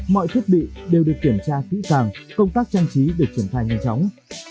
mọi thiết bị đều được kiểm tra kỹ càng công tác trang trí được trở thành nhanh chóng